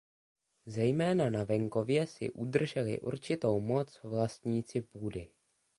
Zejména na venkově si udrželi určitou moc vlastníci půdy.